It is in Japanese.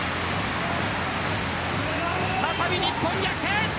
再び日本逆転。